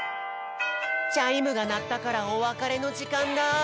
チャイムがなったからおわかれのじかんだ！